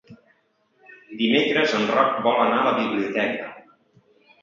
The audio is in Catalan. Dimecres en Roc vol anar a la biblioteca.